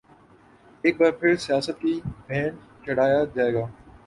ایک بار پھر سیاست کی بھینٹ چڑھایا جائے گا؟